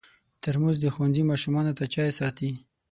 ترموز د ښوونځي ماشومانو ته چای ساتي.